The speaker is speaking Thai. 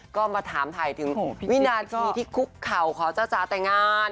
ก็มาถามถ่ายถึงวินาทีที่คุกเข่าขอจ้าจ๋าแต่งงาน